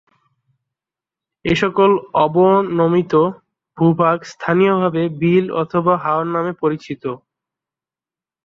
এসকল অবনমিত ভূভাগ স্থানীয়ভাবে বিল অথবা হাওর নামে পরিচিত।